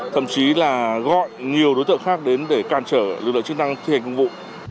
thậm chí là gọi nhiều đối tượng khác đến để càn trở lực lượng chức năng thi hành công vụ